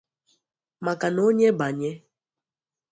maka na onye banye